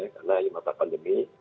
karena ini masa pandemi